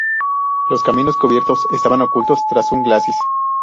Los caminos cubiertos estaban ocultos tras un glacis.